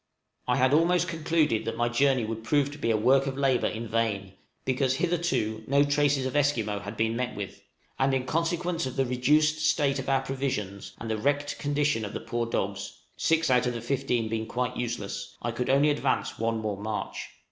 I had almost concluded that my journey would prove to be a work of labor in vain, because hitherto no traces of Esquimaux had been met with, and, in consequence of the reduced state of our provisions and the wretched condition of the poor dogs six out of the fifteen being quite useless I could only advance one more march.